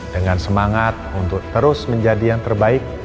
dengan semangat untuk terus menjadi yang terbaik